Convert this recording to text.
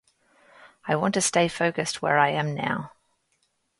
I want to stay focused where I am now.